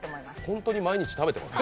本当に毎日食べてます？